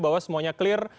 bahwa semuanya clear